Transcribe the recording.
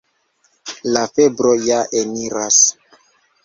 La febro ja eniras.